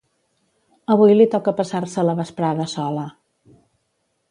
Avui li toca passar-se la vesprada sola.